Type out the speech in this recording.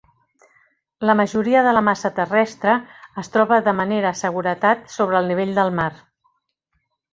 La majoria de la massa terrestre es troba de manera seguretat sobre el nivell del mar.